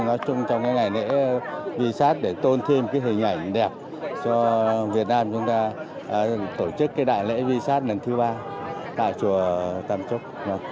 nói chung trong cái ngày lễ vi sát để tôn thêm cái hình ảnh đẹp cho việt nam chúng ta tổ chức cái đại lễ vi sát lần thứ ba tại chùa tam trúc